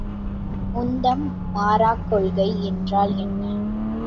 உந்தம் மாறாக் கொள்கை என்றால் என்ன?